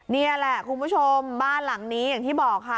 นี่แหละคุณผู้ชมบ้านหลังนี้อย่างที่บอกค่ะ